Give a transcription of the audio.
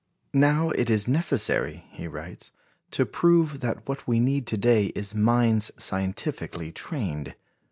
"Now it is necessary," he writes, "to prove that what we need to day is minds scientifically trained.